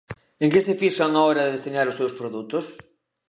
En que se fixan á hora de deseñar os seus produtos?